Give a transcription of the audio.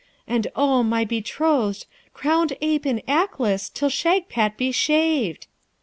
And oh! my betrothed, crowned ape in Aklis till Shagpat be shaved!'